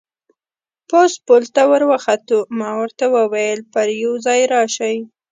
پاس پل ته ور وخوتو، ما ورته وویل: پر یوه ځای راشئ.